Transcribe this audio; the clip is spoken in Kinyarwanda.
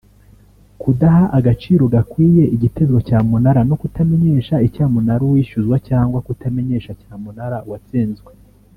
kudaha agaciro gakwiye igitezwa cyamunara no kutamenyesha icyamunara uwishyuzwa cyangwa kutamenyesha cyamunara uwatsinzwe